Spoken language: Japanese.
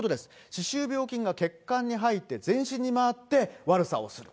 歯周病菌が血管に入って全身に回って悪さをする。